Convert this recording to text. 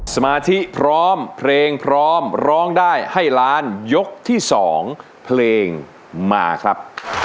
สมาธิพร้อมเพลงพร้อมร้องได้ให้ล้านยกที่๒เพลงมาครับ